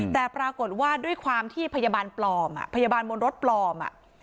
แต่ปรากฏว่าด้วยความที่พยาบาลปลอมพยาบาลบนรถปลอม